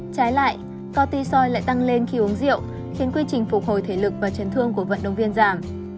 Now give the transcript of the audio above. trái lại cortisoi lại tăng lên khi uống rượu khiến quy trình phục hồi thể lực và chấn thương của vận động viên giảm